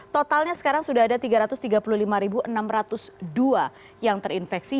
totalnya sekarang sudah ada tiga ratus tiga puluh lima enam ratus dua yang terinfeksi